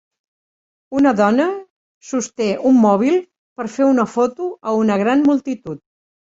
Una dona sosté un mòbil per fer una foto a una gran multitud.